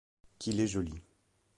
qu’il est joli.